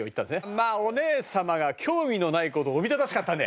まあお姉様が興味のない事おびただしかったので。